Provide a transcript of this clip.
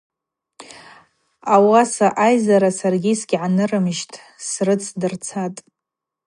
Ауаса айззара саргьи сгьгӏанырмыжьтӏ, срыцдырцатӏ.